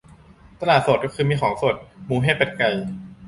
ตลาดสดคือมีของสด หมูเห็ดเป็ดไก่